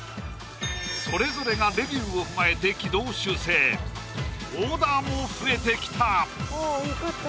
それぞれがレビューを踏まえて軌道修正オーダーも増えてきたあよかった